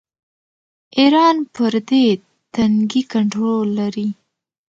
ایران پر دې تنګي کنټرول لري.